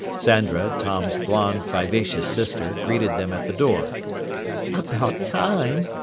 Sandra, Tom's blond, vivacious sister, greeted them at the door. "About time!"